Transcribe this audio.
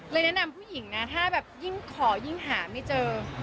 แนะนำผู้หญิงนะถ้าแบบยิ่งขอยิ่งหาไม่เจอ